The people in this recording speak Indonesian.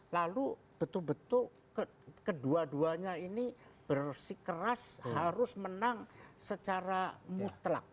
lalu betul betul kedua duanya ini bersikeras harus menang secara mutlak